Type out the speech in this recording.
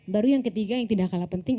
baru yang ketiga yang tidak kalah penting